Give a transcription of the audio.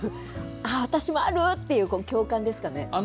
私もあるっていう共感ですかね。